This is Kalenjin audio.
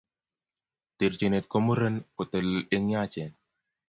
Terchinet ko muren kotelel eng yachen